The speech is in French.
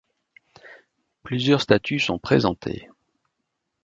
Plusieurs statues sont présentées.